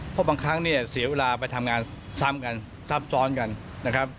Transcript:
เพราะบางครั้งเนี่ยเสียเวลาไปทำงานซ้ำกันซับซ้อนกันนะครับ